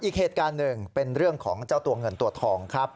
อีกเหตุการณ์หนึ่งเป็นเรื่องของเจ้าตัวเงินตัวทองครับ